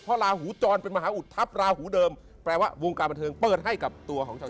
เพราะลาหูจรเป็นมหาอุทธัพราหูเดิมแปลว่าวงการบันเทิงเปิดให้กับตัวของชาว